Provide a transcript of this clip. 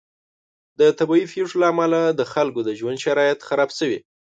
د طبعي پیښو له امله د خلکو د ژوند شرایط خراب شوي.